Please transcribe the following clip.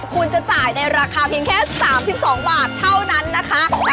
คุณจะจ่ายในราคาเพียงแค่๓๒บาทเท่านั้นนะคะ